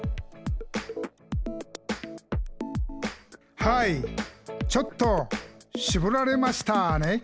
「はいちょっとしぼられましたね」